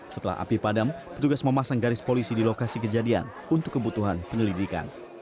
setelah api padam petugas memasang garis polisi di lokasi kejadian untuk kebutuhan penyelidikan